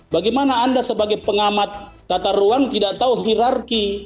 bagaimana anda sebagai pengamat tata ruang tidak tahu hirarki